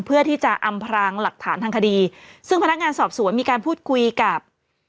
เพื่อที่จะอำพรางหลักฐานทางคดีซึ่งพนักงานสอบสวนมีการพูดคุยกับ